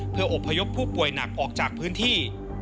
เพื่ออบพยพผู้ป่วยหนักออกจากพื้นที่